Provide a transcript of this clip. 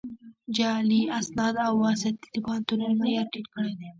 جعلي اسناد او واسطې د پوهنتونونو معیار ټیټ کړی دی